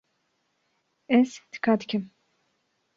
Ez tika dikim.